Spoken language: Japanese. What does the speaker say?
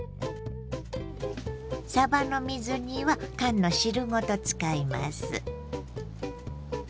さばの水煮は缶の汁ごと使います。